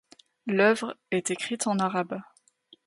L'œuvre est écrite en arabe.